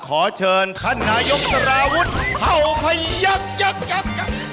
ขอเชิญท่านนายกจราวุธเข้าไปยักษ์